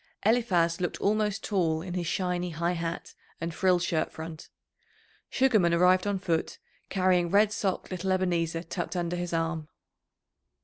Eliphaz looked almost tall in his shiny high hat and frilled shirt front. Sugarman arrived on foot, carrying red socked little Ebenezer tucked under his arm.